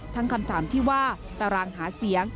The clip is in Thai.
คำถามที่ว่าตารางหาเสียง